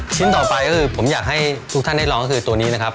ต่อไปก็คือผมอยากให้ทุกท่านได้ลองก็คือตัวนี้นะครับ